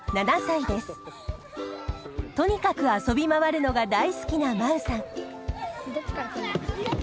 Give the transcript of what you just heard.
とにかく遊び回るのが大好きな真宇さん。